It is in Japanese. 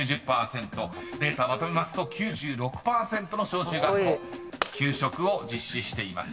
［データまとめますと９６％の小・中学校給食を実施しています。